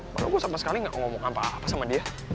padahal aku sama sekali gak ngomong apa apa sama dia